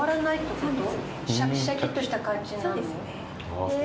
へえ。